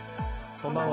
こんばんは。